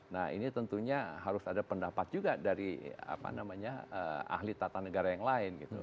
nah ini tentunya harus ada pendapat juga dari ahli tata negara yang lain gitu